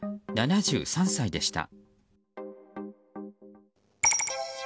７３歳でした。